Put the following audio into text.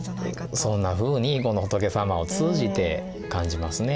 そんなふうにこの仏様を通じて感じますね。